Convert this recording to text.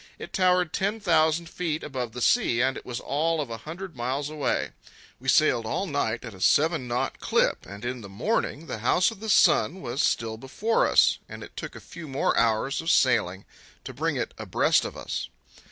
It towered ten thousand feet above the sea, and it was all of a hundred miles away. We sailed all night at a seven knot clip, and in the morning the House of the Sun was still before us, and it took a few more hours of sailing to bring it abreast of us.